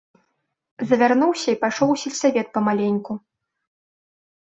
Завярнуўся й пайшоў у сельсавет памаленьку.